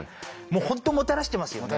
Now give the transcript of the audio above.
もう本当もたらしてますよね。